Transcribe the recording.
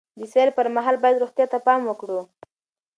د سیل پر مهال باید روغتیا ته پام وکړو.